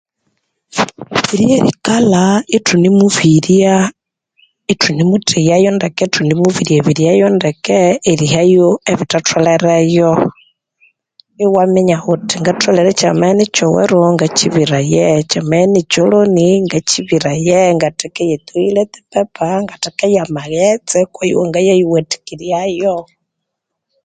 Lyerikalha ithune mubirya ithune mutheyayo ndeke, uthune mubirya biryayo ndeke nerihayo ebithatholereyo iwaminya wuthi ngatholere kyamabya inikyoghero ngakyibiraye, kyamabya inikyoloni ngakyibiraye ngathekeyo e toilet paper, ngathekeyo amaghetse okwoyowangayayiwathikiryayo.